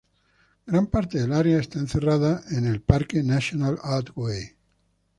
Gran parte del área está encerrada en el Parque Nacional Otway.